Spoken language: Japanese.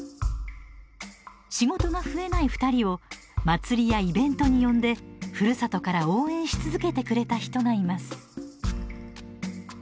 仕事が増えない２人を祭りやイベントに呼んでふるさとから応援し続けてくれた人がいます